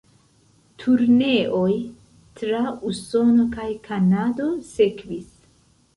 Turneoj tra Usono kaj Kanado sekvis.